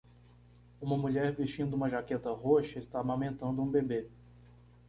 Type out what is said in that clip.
Uma mulher vestindo uma jaqueta roxa está amamentando um bebê.